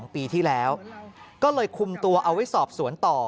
ปีที่แล้วก็เลยคุมตัวเอาไว้สอบสวนต่อ